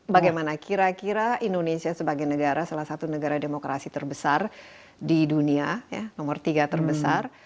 bagaimana kira kira indonesia sebagai negara salah satu negara demokrasi terbesar di dunia nomor tiga terbesar